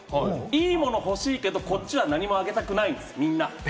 いいもの欲しいけれども、こっちは何もあげたくないんですみんな。